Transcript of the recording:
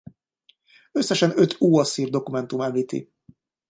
Összesen öt óasszír dokumentum említi.